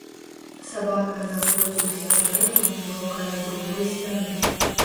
Сабака заходзіўся брэхам ужо каля другой сцяны.